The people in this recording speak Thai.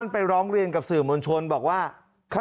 ไปร้องเรียนกับสื่อมวลชนบอกว่า